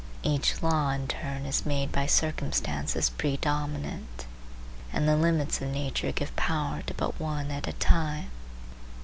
Each law in turn is made by circumstances predominant, and the limits of nature give power to but one at a time.